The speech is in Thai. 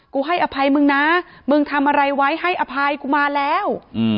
กูให้อภัยมึงนะมึงทำอะไรไว้ให้อภัยกูมาแล้ว